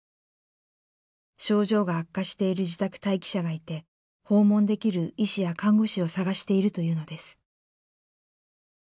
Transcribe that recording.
症状が悪化している自宅待機者がいて訪問できる医師や看護師を探しているというのです。